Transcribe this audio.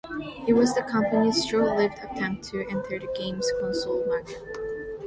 It was the company's short-lived attempt to enter the games console market.